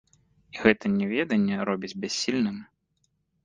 І гэта няведанне робіць бяссільным.